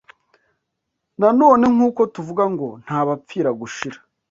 Nanone nk’uko tuvuga ngo ntabapfira gushira